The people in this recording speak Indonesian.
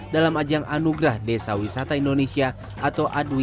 dalam ajang anugerah desa wisata indonesia atau adwi